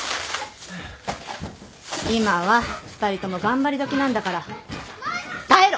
今は二人とも頑張り時なんだから耐えろ！